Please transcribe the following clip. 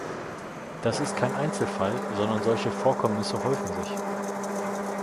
Das ist kein Einzelfall, sondern solche Vorkommnisse häufen sich.